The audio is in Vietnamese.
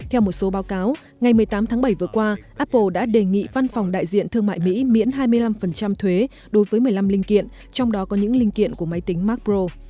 hôm một mươi tám tháng bảy vừa qua apple đã đề nghị văn phòng đại diện thương mại mỹ miễn hai mươi năm thuế đối với một mươi năm linh kiện trong đó có những linh kiện của máy tính macro